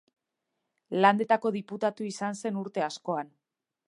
Landetako Diputatu izan zen urte askoan.